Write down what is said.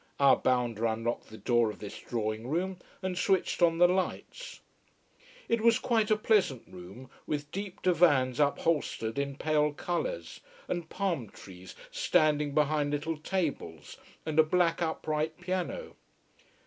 Our bounder unlocked the door of this drawing room, and switched on the lights. It was quite a pleasant room, with deep divans upholstered in pale colours, and palm trees standing behind little tables, and a black upright piano.